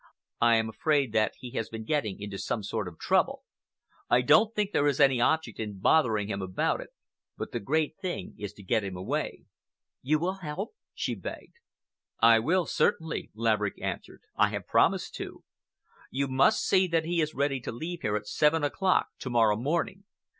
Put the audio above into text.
I am afraid that he has been getting into some sort of trouble. I don't think there is any object in bothering him about it, but the great thing is to get him away." "You will help?" she begged. "I will help, certainly," Laverick answered. "I have promised to. You must see that he is ready to leave here at seven o'clock to morrow morning.